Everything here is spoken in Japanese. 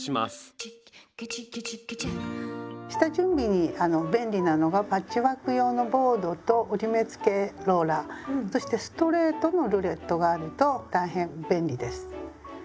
下準備に便利なのがパッチワーク用のボードと折り目つけローラーそしてストレートのルレットがあると大変便利です。